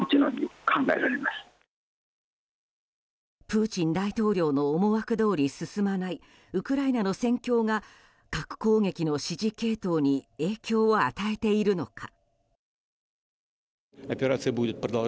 プーチン大統領の思惑どおり進まないウクライナの戦況が核攻撃の指示系統に影響を与えているのか。